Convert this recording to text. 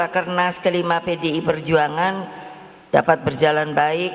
karena sekelima pdi perjuangan dapat berjalan baik